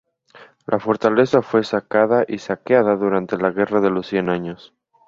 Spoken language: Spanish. La fortaleza fue sacada y saqueada durante la Guerra de los Cien Años.